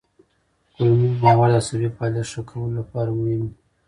کولمو محور د عصبي فعالیت ښه کولو لپاره مهم دی.